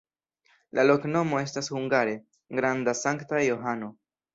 La loknomo estas hungare: granda-Sankta Johano.